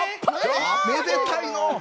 めでたいのう。